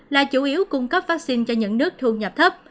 là chủ yếu cung cấp vaccine cho những nước thu nhập thấp